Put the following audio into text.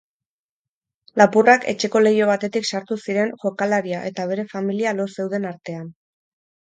Lapurrak etxeko leiho batetik sartu ziren jokalaria eta bere familia lo zeuden artean.